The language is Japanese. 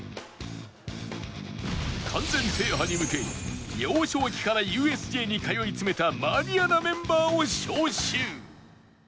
完全制覇に向け幼少期から ＵＳＪ に通い詰めたマニアなメンバーを招集